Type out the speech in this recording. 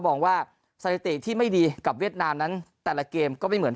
มองว่าสถิติที่ไม่ดีกับเวียดนามนั้นแต่ละเกมก็ไม่เหมือน